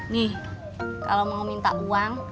nih kalau mau minta uang